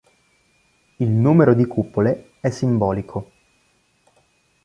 Il numero di cupole è simbolico.